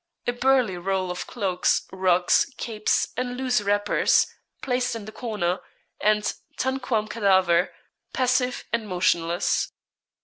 A burly roll of cloaks, rugs, capes, and loose wrappers, placed in the corner, and tanquam cadaver, passive and motionless.